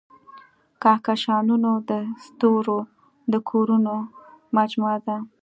کهکشانونه د ستورو د کورونو مجموعه ده.